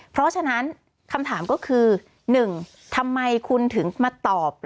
เพราะฉะนั้นคำถามก็คือ๑ทำไมคุณถึงมาตอบ